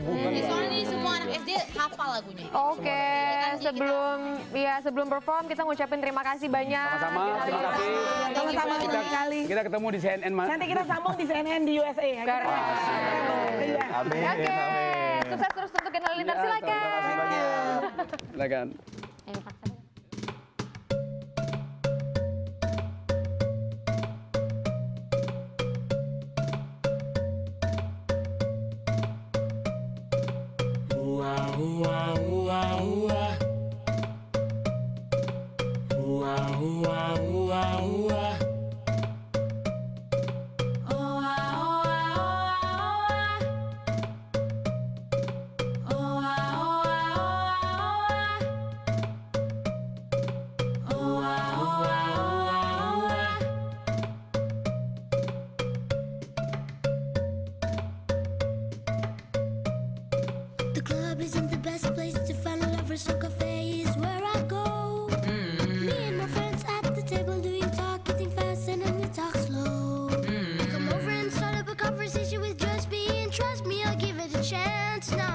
perform kita ngucapin terima kasih banyak sama sama kita ketemu di cnn di usa